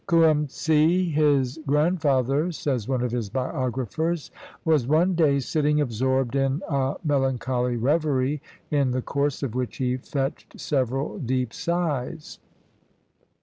"Coum tse, his 13 CHINA grandfather," says one of his biographers, "was one day sitting absorbed in a melancholy reverie, in the course of which he fetched several deep sighs.